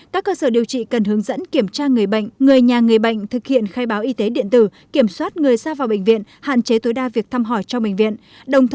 các cơ sở điều trị cần hướng dẫn kiểm tra người bệnh người nhà người bệnh thực hiện khai báo y tế điện tử kiểm soát người ra vào bệnh viện hạn chế tối đa việc thăm hỏi trong bệnh viện